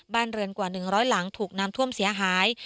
บ้านเรือนกว่า๑๐๐หลังถูกน้ำท่วมเสียหาย